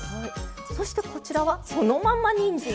そしてこちらはそのまんまにんじん。